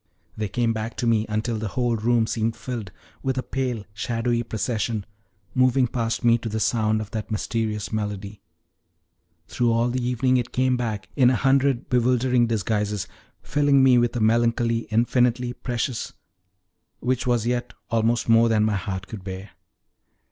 They came back to me, until the whole room seemed filled with a pale, shadowy procession, moving past me to the sound of that mysterious melody. Through all the evening it came back, in a hundred bewildering disguises, filling me with a melancholy infinitely precious, which was yet almost more than my heart could bear.